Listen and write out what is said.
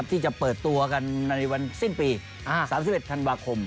ที่จะเปิดตัวกันในวันสิ้นปี๓๑ธันวาคม